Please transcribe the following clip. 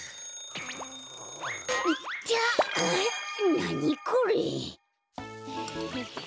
なにこれ？